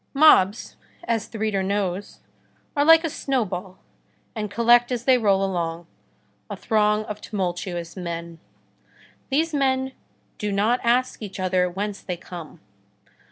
Mobs, as the reader knows, are like a snowball, and collect as they roll along, a throng of tumultuous men. These men do not ask each other whence they come.